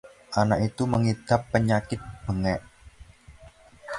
anak itu mengidap penyakit bengek